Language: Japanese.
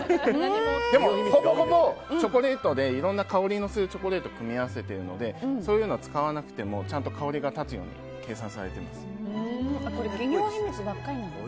でも、ほぼほぼチョコレートでいろんな香りのするチョコレート組み合わせているのでそういうのを使わなくてもちゃんと香りが立つようにこれ、企業秘密ばっかりなのね。